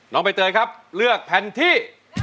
ใบเตยครับเลือกแผ่นที่